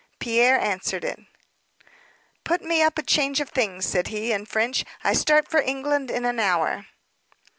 Pierre answered it. "Put me up a change of things," said he, in French. "I start for England in an hour."